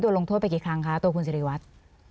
ลงโทษไปกี่ครั้งคะตัวคุณสิริวัตร